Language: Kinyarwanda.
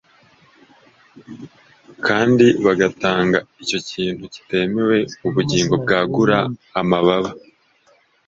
kandi bagatanga icyo kintu kitemewe Ubugingo bwagura amababa.